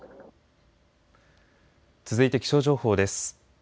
続いて気象情報です。